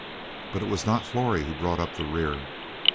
But it was not Flory who brought up the rear.